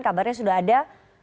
kabarnya sudah ada